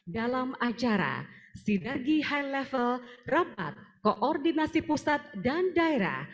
dalam acara sinegi high level rapat koordinasi pusat dan daerah